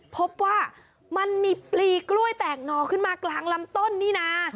พบว่ามันมีปลีกล้วยแตกหนอขึ้นมากลางลำต้นนี่นะ